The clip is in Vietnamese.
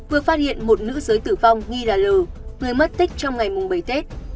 vừa phát hiện một nữ giới tử vong nghi là lử người mất tích trong ngày mùng bảy tết